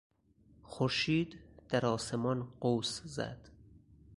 خورشید در آسمان قوس زد.